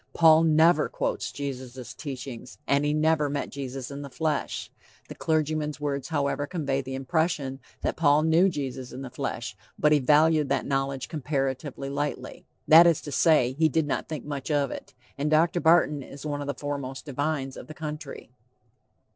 Paul never quotes Jesus' teachings, and he never met Jesus in the flesh. The clergyman's words, however, convey the impression that Paul knew Jesus in the flesh, but he valued that, knowledge "comparatively lightly," that is to say, he did not think much of it. And Dr. Barton is one of the foremost divines of the country.